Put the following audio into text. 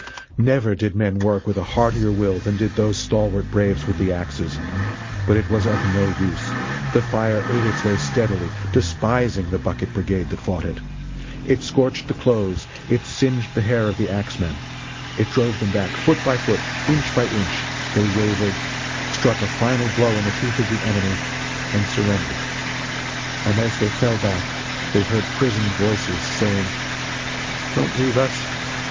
Never did men work with a heartier will than did those stalwart braves with the axes. But it was of no use. The fire ate its way steadily, despising the bucket brigade that fought it. It scorched the clothes, it singed the hair of the axemen it drove them back, foot by foot inch by inch they wavered, struck a final blow in the teeth of the enemy, and surrendered. And as they fell back they heard prisoned voices saying: "Don't leave us!